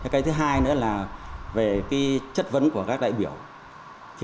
cái thứ hai nữa là về cái chất vấn của các đại biểu